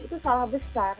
itu salah besar